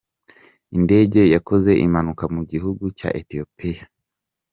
Indege yakoze impanuka mu gihugu cya Etiyopiya